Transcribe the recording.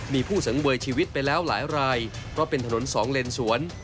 มีผู้สังเวยชีวิตไปแล้วหลายรายเพราะเป็นถนนสองเลนสวน